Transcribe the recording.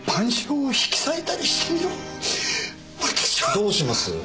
どうします？